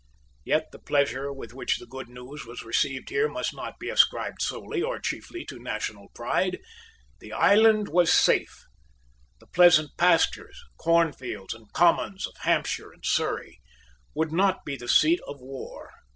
Yet the pleasure with which the good news was received here must not be ascribed solely or chiefly to national pride. The island was safe. The pleasant pastures, cornfields and commons of Hampshire and Surrey would not be the seat of war.